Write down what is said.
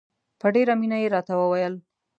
په ډېره مینه یې راته وویل.